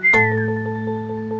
ya udah deh